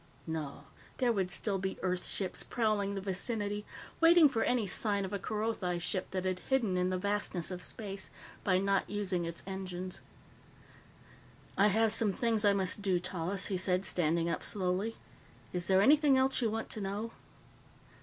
No. There would still be Earth ships prowling the vicinity, waiting for any sign of a Kerothi ship that had hidden in the vastness of space by not using its engines. "I have some things I must do, Tallis," he said, standing up slowly. "Is there anything else you want to know?"